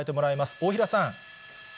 大平さん。